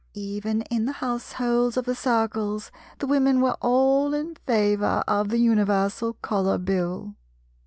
Even in the households of the Circles, the Women were all in favour of the Universal Colour Bill.